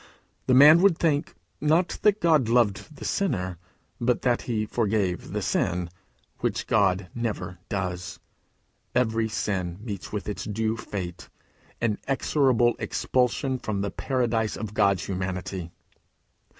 The man would think, not that God loved the sinner, but that he forgave the sin, which God never does. Every sin meets with its due fate inexorable expulsion from the paradise of God's Humanity.